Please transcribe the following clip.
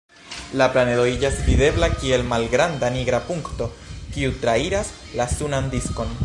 La planedo iĝas videbla kiel malgranda nigra punkto, kiu trairas la sunan diskon.